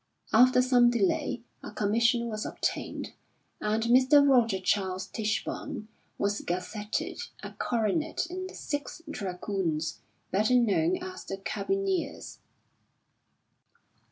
After some delay a commission was obtained and Mr. Roger Charles Tichborne was gazetted a coronet in the Sixth Dragoons, better known as the Carbineers.